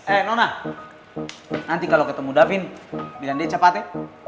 eh nona nanti kalau ketemu davin bilang dia cepat ya